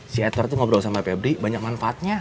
si edward itu ngobrol sama febri banyak manfaatnya